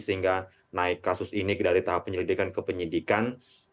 sehingga naik kasus ini dari tahap penyelidikan ke penyidikan